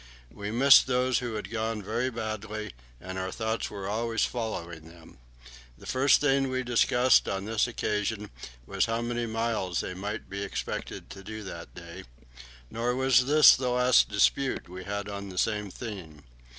We missed those who had gone very badly, and our thoughts were always following them. The first thing we discussed on this occasion was how many miles they might be expected to do that day: nor was this the last dispute we had on the same theme.